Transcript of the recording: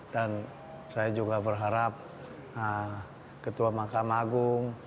dan saya juga berharap ketua mahkamah agung